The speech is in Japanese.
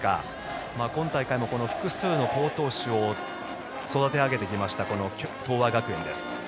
今大会も複数の好投手を育て上げてきました東亜学園です。